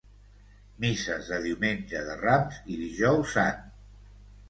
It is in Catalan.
Misses de Diumenge de Rams i Dijous Sant.